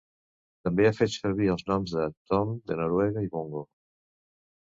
També ha fet servir els noms de Tom de Noruega i Bongo.